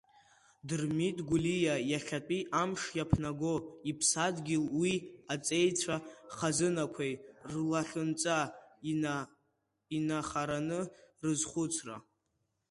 Дырмит Гәлиа иахьатәи амш иаԥнаго иԥсадгьыл уи аҵеицәа хазынақәеи рлахьынҵа инахараны рызхәыцра.